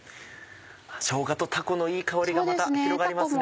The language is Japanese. しょうがとたこのいい香りがまた広がりますね。